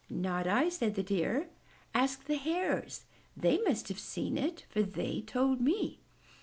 "Not I," said the Deer. "Ask the Hares! They must have seen it, for they told me!"